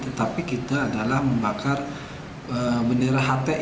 tetapi ketika ada yang mereka ambil dan ini perlu ditekankan bahwa kita bukan membakar kalimat tauhid